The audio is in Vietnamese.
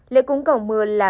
lễ cúng cầu mưa là